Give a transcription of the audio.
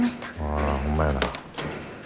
ああホンマやな。